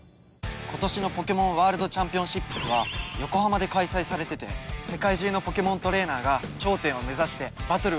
今年のポケモンワールドチャンピオンシップスは横浜で開催されてて世界中のポケモントレーナーが頂点を目指してバトルを繰り広げるんだよ。